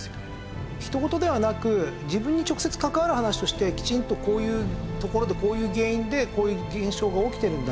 人ごとではなく自分に直接関わる話としてきちんとこういうところでこういう原因でこういう現象が起きているんだ。